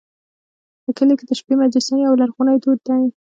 په کلیو کې د شپې مجلسونه یو لرغونی دود دی.